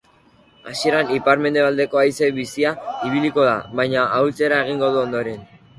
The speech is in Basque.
Hasieran ipar-mendebaldeko haize bizia ibiliko da, baina ahultzera egingo du ondoren.